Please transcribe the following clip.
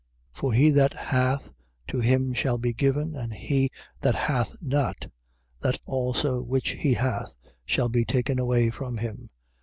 4:25. For he that hath, to him shall be given: and he that hath not, that also which he hath shall be taken away from him.